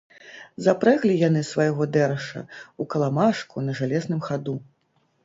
Запрэглі яны свайго дэраша ў каламажку на жалезным хаду.